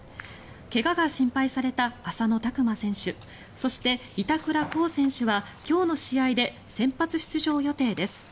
怪我が心配された浅野拓磨選手そして、板倉滉選手は今日の試合で先発出場予定です。